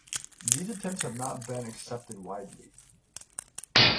These attempts have not been accepted widely.